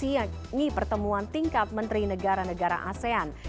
yakni pertemuan tingkat menteri negara negara asean